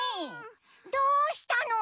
どうしたの？